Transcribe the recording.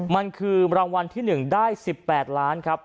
มันคือรางวัลที่๑ได้๑๘ล้านครับ